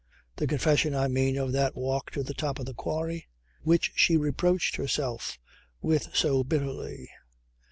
"The confession I mean of that walk to the top of the quarry which she reproached herself with so bitterly.